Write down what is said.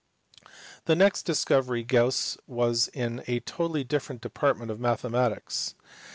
The next discovery of Gauss was in a totally different department of mathematics.